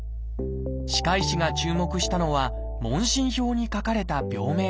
歯科医師が注目したのは問診票に書かれた病名でした。